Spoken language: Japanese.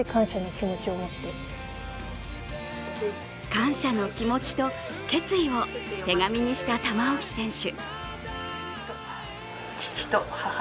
感謝の気持ちと決意を手紙にした玉置選手。